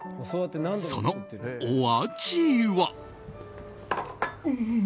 そのお味は。